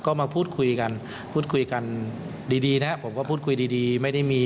ก็มาพูดคุยกันพูดคุยกันดีดีนะผมก็พูดคุยดีดีไม่ได้มี